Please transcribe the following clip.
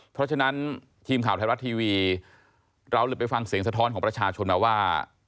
เพราะฉะนั้นทีมข่าวไทยรัฐทีวีเราเลยไปฟังเสียงสะท้อนของประชาชนมาว่า